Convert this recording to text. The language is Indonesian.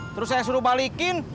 terus saya suruh balikin